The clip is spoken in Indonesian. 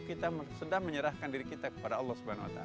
kita sedang menyerahkan diri kita kepada allah swt